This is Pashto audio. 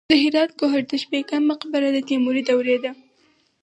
د هرات ګوهردش بیګم مقبره د تیموري دورې ده